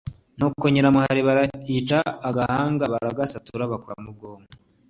nuko nyiramuhari bayica agahanga, baragasatura bakuramo ubwonko